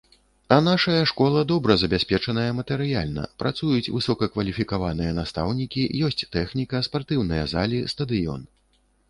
А нашая школа добра забяспечаная матэрыяльна, працуюць высокакваліфікаваныя настаўнікі, ёсць тэхніка, спартыўныя залі, стадыён.